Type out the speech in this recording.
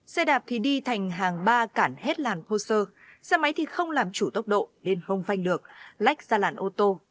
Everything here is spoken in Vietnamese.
xe đạp thì đi thành hàng ba cản hết làn hô sơ xe máy thì không làm chủ tốc độ nên không phanh được lách ra làn ô tô